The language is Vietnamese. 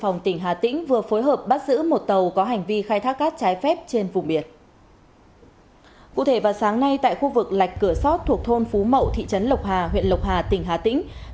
ngay tại khu vực lạch cửa sót thuộc thôn phú mậu thị trấn lộc hà huyện lộc hà tỉnh hà tĩnh